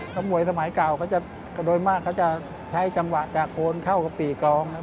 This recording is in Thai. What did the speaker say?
ถ้าหมวยสมัยเก่าก็โดยมากก็จะใช้จังหวะจะโค้นเข้ากับปีกองนะฮะ